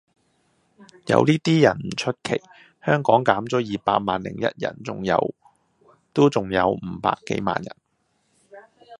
有呢啲人唔出奇，香港減咗二百萬零一人都仲有五百幾萬人